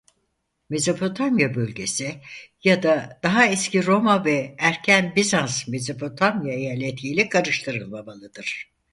Mezopotamya bölgesi ya da daha eski Roma ve erken Bizans Mezopotamya eyaleti ile karıştırılmamalıdır.